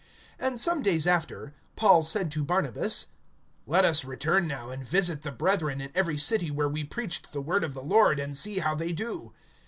(36)And some days after, Paul said to Barnabas: Let us return now, and visit the brethren in every city where we preached the word of the Lord, and see how they do.